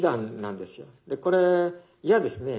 でこれ嫌ですね。